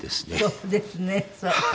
そうですねそう。